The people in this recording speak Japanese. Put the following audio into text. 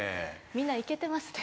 みんなイケてますね